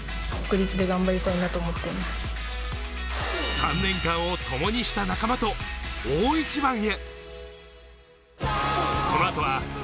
３年間を共にした仲間と大一番へ。